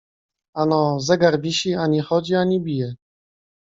Ano, zegar wisi, ani chodzi, ani bije.